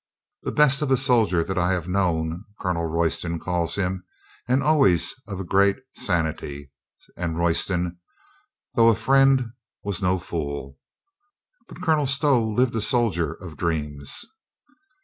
"The best of a soldier that I have known," Colonel Royston calls him, "and al ways of a great sanity," and Royston, though a friend, was no fool. But Colonel Stow lived a sol dier of dreams.